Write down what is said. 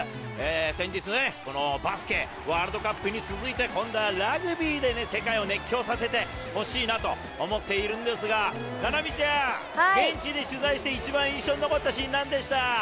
先日、バスケワールドカップに続いて、今度はラグビーで、世界を熱狂させてほしいなと思っているんですが、菜波ちゃん、現地に取材して一番印象に残ったシーンは何でした？